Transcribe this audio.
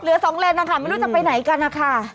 เหลือสองเลนนะคะไม่รู้จะไปไหนกันค่ะ